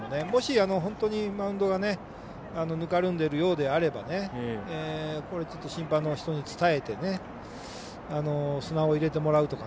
本当にマウンドがぬかるんでいるようであれば審判に伝えて砂を入れてもらうとか。